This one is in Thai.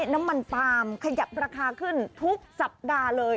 น้ำมันปาล์มขยับราคาขึ้นทุกสัปดาห์เลย